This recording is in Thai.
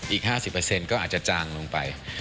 อีก๕๐ก็อาจจะจางลงไป